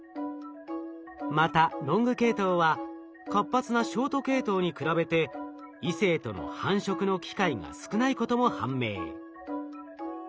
またロング系統は活発なショート系統に比べて異性との繁殖の機会が少ないことも判明。